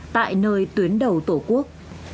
tại nơi tuyến đầu tổ quốc